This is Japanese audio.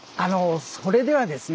それではですね